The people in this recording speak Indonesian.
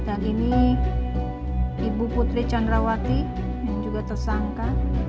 dan ini ibu putri candrawati yang juga tersangka